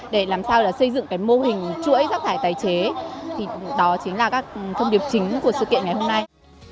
để làm sao xây dựng mô hình chuỗi rác thải tài chế đó chính là các thông điệp chính của sự kiện ngày hôm nay